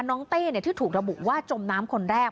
เต้ที่ถูกระบุว่าจมน้ำคนแรก